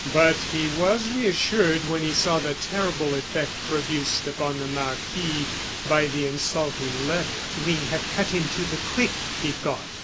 But he was reassured when he saw the terrible effect produced upon the marquis by the insulting letter. "We have cut him to the quick," he thought.